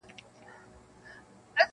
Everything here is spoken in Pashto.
• ښځه سوه په خوشالي کورته روانه -